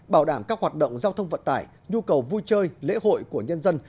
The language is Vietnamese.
bảo đảm các hoạt động giao thông vận tải nhu cầu vui chơi lễ hội của nhân dân